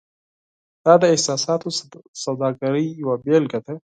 دا د احساساتو سوداګرۍ یوه بیلګه ده.